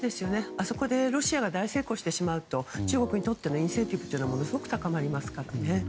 あそこでロシアが大成功してしまうと中国にとってのインセンティブがものすごく高まりますからね。